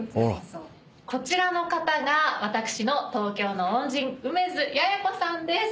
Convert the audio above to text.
「こちらの方が私の東京の恩人梅津弥英子さんです」